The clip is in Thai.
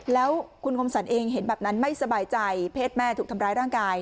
แล้วคุณคมสรรเองเห็นแบบนั้นไม่สบายใจเพศแม่ถูกทำร้ายร่างกาย